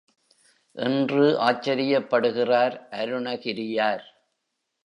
என்று ஆச்சரியப்படுகிறார் அருணகிரியார்.